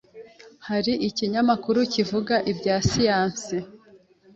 Hari ikinyamakuru kivuga ibya siyansi